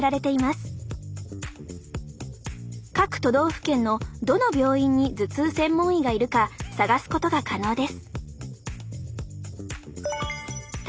各都道府県のどの病院に頭痛専門医がいるか探すことが可能です。